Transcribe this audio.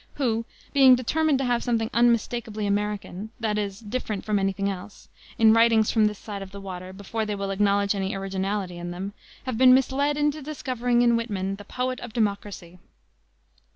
who, being determined to have something unmistakably American that is, different from any thing else in writings from this side of the water before they will acknowledge any originality in them, have been misled into discovering in Whitman "the poet of Democracy."